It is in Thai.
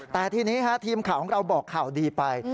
แต่ทีนี้ทีมข่าวของเราบอกข่าวดีไป